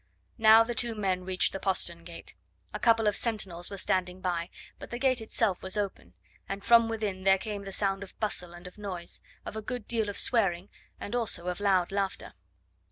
Now the two men reached the postern gate. A couple of sentinels were standing by, but the gate itself was open, and from within there came the sound of bustle and of noise, of a good deal of swearing, and also of loud laughter.